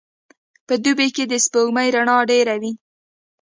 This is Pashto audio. په دوبي کي د سپوږمۍ رڼا ډېره وي.